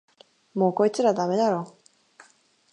もうこいつらダメだろ